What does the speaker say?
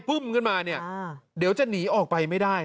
บุ๊บบบขึ้นมาเดี๋ยวจะหนีออกไปไม่ได้